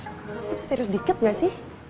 lo bisa serius dikit gak sih